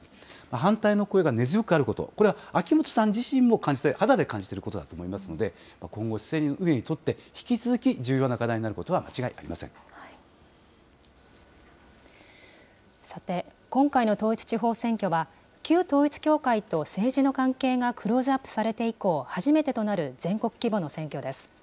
反対の声が根強くあること、これは秋元さん自身も感じて、肌で感じていることだと思いますので、今後、市政運営にとって、引き続き重要な課題になることは間違いさて、今回の統一地方選挙は、旧統一教会と政治の関係がクローズアップされて以降、初めてとなる全国規模の選挙です。